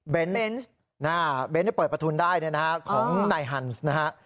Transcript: เบนส์นะฮะเบนส์ได้เปิดประทุนได้นะฮะของนายฮันส์นะฮะ